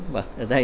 vâng được rồi